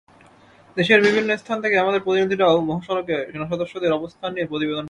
দেশের বিভিন্ন স্থান থেকে আমাদের প্রতিনিধিরাও মহাসড়কে সেনাসদস্যদের অবস্থান নিয়ে প্রতিবেদন পাঠান।